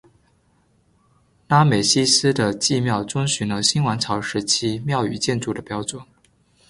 拉美西斯的祭庙遵循了新王朝时期庙与建筑的标准。